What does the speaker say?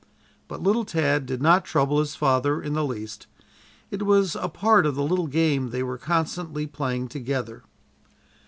But little Tad did not trouble his father in the least. It was a part of the little game they were constantly playing together.